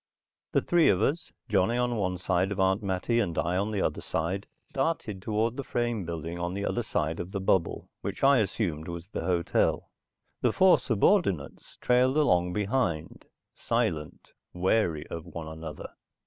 The three of us, Johnny on one side of Aunt Mattie and I on the other side, started toward the frame building on the other side of the bubble, which I assumed was the hotel. The four subordinates trailed along behind, silent, wary of one another.